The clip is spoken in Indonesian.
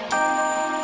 satu dari tiga orang